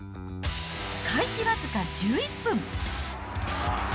開始僅か１１分。